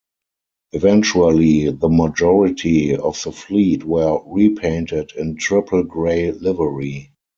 Eventually the majority of the fleet were repainted in triple grey livery.